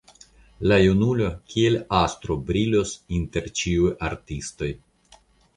La junulo kiel astro brilos inter ĉiuj artistoj.